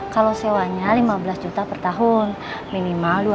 kalau sewanya lima belas juta per tahun minimalnya lima belas juta